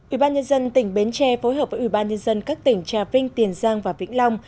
ủy ban nhân dân tỉnh bến tre phối hợp với ủy ban nhân dân các tỉnh trà vinh tiền giang và vĩnh long